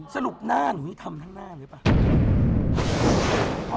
สรุปหน้าหนูนี่ทำทั้งหน้าหรือเปล่า